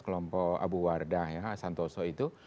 kelompok abu wardah ya santoso itu